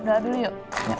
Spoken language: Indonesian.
doa dulu yuk